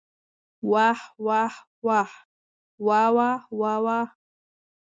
واه واه واه واوا واوا.